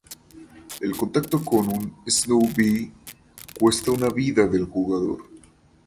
El contacto con un Sno-Bee cuesta una vida del jugador.